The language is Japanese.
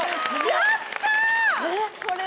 やった！